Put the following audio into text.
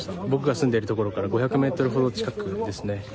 僕が住んでいるところから５００ｍほど近くですね。